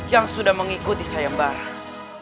yang sudah mengikuti saya mbak